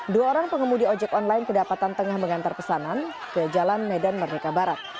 dua orang pengemudi ojek online kedapatan tengah mengantar pesanan ke jalan medan merdeka barat